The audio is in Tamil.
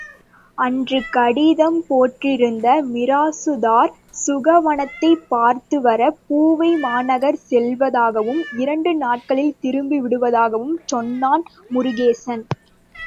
அன்று கடிதம் போட்டிருந்த மிராசுதார் சுகவனத்தைப் பார்த்துவர பூவைமாநகர் செல்வதாகவும், இரண்டு நாட்களில் திரும்பி விடுவதாகவும் சொன்னான் முருகேசன்.